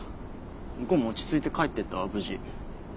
向こうも落ち着いて帰ってったわ無事。